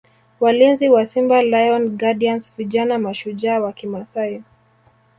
Walinzi wa Simba Lion Guardians vijana mashujaa wa Kimasai